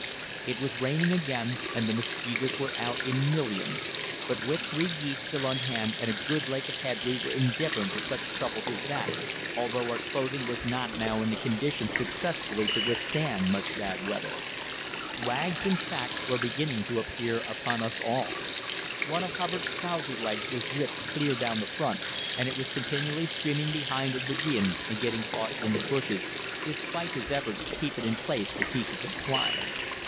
It was raining again and the mosquitoes were out in millions, but with three geese still on hand and a good lake ahead we were indifferent to such troubles as that, although our clothing was not now in a condition successfully to withstand much bad weather. Rags, in fact, were beginning to appear upon us all. One of Hubbard's trousers legs was ripped clear down the front, and it was continually streaming behind in the wind and getting caught in the bushes, despite his efforts to keep it in place with pieces of twine.